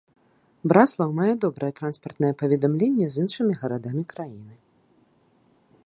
Браслаў мае добрае транспартнае паведамленне з іншымі гарадамі краіны.